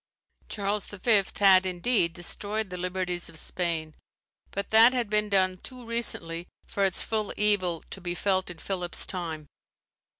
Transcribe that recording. Charles V. had, indeed, destroyed the liberties of Spain; but that had been done too recently for its full evil to be felt in Philip's time.